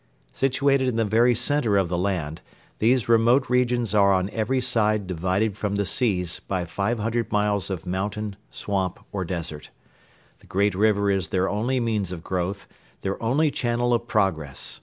Situated in the very centre of the land, these remote regions are on every side divided from the seas by five hundred miles of mountain, swamp, or desert. The great river is their only means of growth, their only channel of progress.